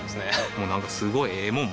もうなんかすごいええもん